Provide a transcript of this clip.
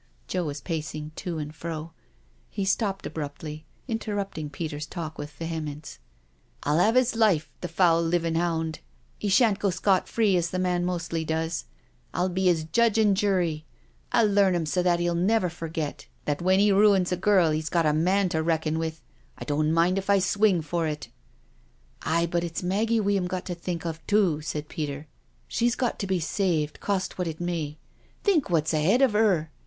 Joe was pacing to and fro. He stopped abruptly,, interrupting Peter's talk with vehemence: " I'll have 'is life— the foul living hound. 'E shan't go scot free as the man mostly does— 'I'll be 'is judge and jury — I'll learn 'im so that 'e'U never forget, that when he ruins a girl 'e's got a man to reckon with— I don't mind if I swing for it." " Aye, but it's Maggie we'm got to think of too," said Peter. " She's got to be saved, cost what it may. Think what's ahead of 'er?"